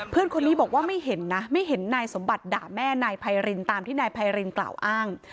เพื่อนคนนี้บอกว่าไม่เห็นนะไม่เห็นนายสมบัติด่าแม่นายไพรินตามที่นายไพรินกล่าวอ้าง